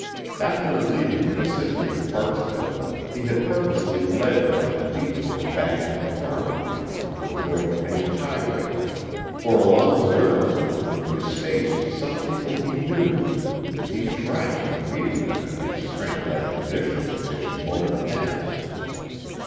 After leaving the vicinity of Parksville he had purposely led her on a detour back into the farming country to avoid the main highway, for along the river front were the estates of some people he knew and he shrank from meeting them in his tramplike condition if they should motor past.